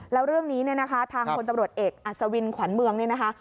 แล้วเรื่องนี้เนี่ยนะคะทางคนตำรวจเอกอัศวินขวัญเมืองเนี่ยนะคะ